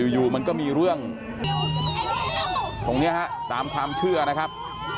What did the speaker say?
อยู่มันก็มีเรื่องตรงนี้ฮะตามความเชื่อนะครับ